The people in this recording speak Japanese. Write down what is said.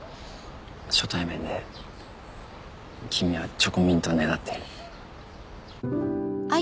初対面で君はチョコミントをねだって。